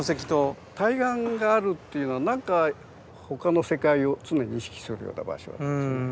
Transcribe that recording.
対岸があるっていうのは何か他の世界を常に意識するような場所ですよね。